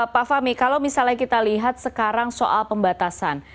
pak fahmi kalau misalnya kita lihat sekarang soal pembatasan